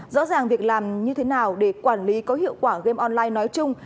rõ ràng việc làm như thế nào để quản lý có hiệu quả game online nói chung